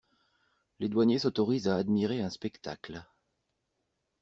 Les douaniers s'autorisent à admirer un spectacle.